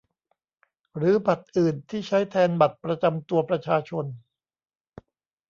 หรือบัตรอื่นที่ใช้แทนบัตรประจำตัวประชาชน